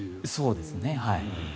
そうですね。